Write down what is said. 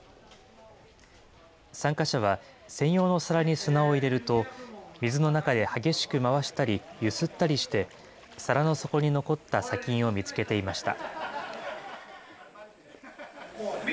参加者は、専用の皿に砂を入れると、水の中で激しく回したり、揺すったりして、皿の底に残った砂金を見つけていました。